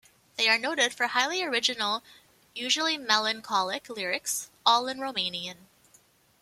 They are noted for highly original, usually melancholic lyrics - all in Romanian.